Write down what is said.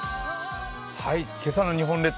今朝の日本列島